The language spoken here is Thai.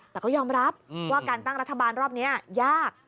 แต่ก็ยอมรับว่าการตั้งรัฐบาลรอบนี้ยาก